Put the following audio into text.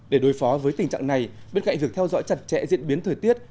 để đối phó với tình trạng này bên cạnh việc theo dõi chặt chẽ diễn biến thời tiết